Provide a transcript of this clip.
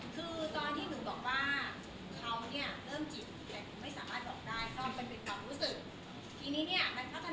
คือตอนที่หนูบอกว่าเขาเนี่ยเริ่มจีบ